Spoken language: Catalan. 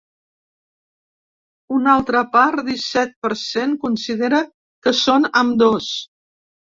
Un altra part disset per cent considera que són ambdós.